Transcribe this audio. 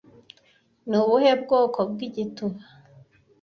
Ni ubuhe bwoko bw'igituba